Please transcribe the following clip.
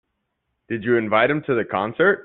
Did you invite him to the concert?